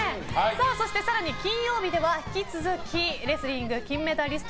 そして更に金曜日では引き続きレスリング金メダリスト